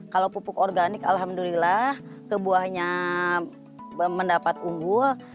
kalau pupuk organik alhamdulillah kebuahnya mendapat unggul